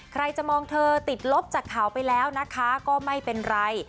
ใครจะมองเธอติดลบจากข่าวไปแล้วนะคะก็ไม่เป็นไร